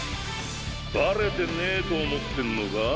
バレてねえと思ってんのか？